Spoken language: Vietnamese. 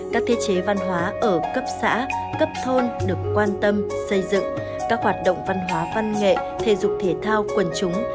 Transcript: các thế chế văn hóa ở cấp xã cấp thôn được quan tâm xây dựng các hoạt động văn hóa văn nghệ thể dục thể thao quần chúng